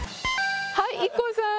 はいＩＫＫＯさん。